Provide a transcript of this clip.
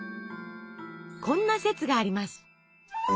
こんな説があります。